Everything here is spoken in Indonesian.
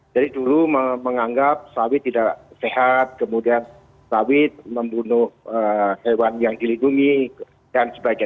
jadi dulu menganggap sawit tidak sehat kemudian sawit membunuh hewan yang dilindungi dan sebagainya